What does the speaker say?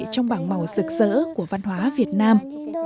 trong bảng màu rực rỡ của văn hóa việt nam